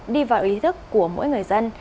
đi vào ý thức của mỗi người dân